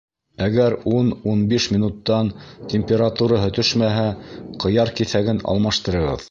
Әгәр ун-ун биш минуттан температураһы төшмәһә, ҡыяр киҫәген алмаштырығыҙ.